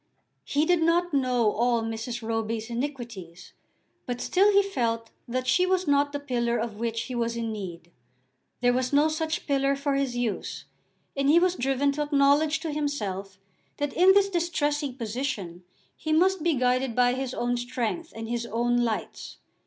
He did not know all Mrs. Roby's iniquities; but still he felt that she was not the pillar of which he was in need. There was no such pillar for his use, and he was driven to acknowledge to himself that in this distressing position he must be guided by his own strength, and his own lights.